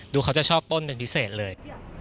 เขาจะชอบต้นเป็นพิเศษเลย